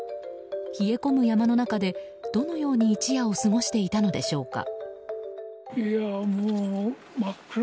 冷え込む山の中で、どのように一夜を過ごしていたのでしょうか。